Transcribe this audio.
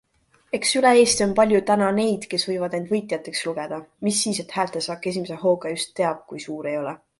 Eks üle Eesti on palju täna neid kes võivad end võitjateks lugeda, mis siis et häältesaak esimese hooga just teab kui suur ei ole.